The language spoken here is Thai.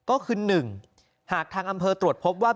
ก็คือ๑หากทางอำเภอตรวจพบว่า